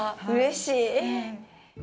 うれしい。